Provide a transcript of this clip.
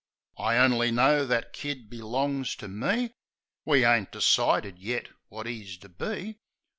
I only know that kid belongs to me ! We ain't decided yet wot 'e's to be.